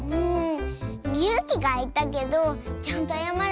ゆうきがいったけどちゃんとあやまれてよかった。